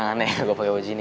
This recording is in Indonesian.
kok lo ketawa ketawa gitu